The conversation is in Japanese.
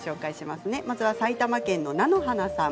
まずは埼玉県の方。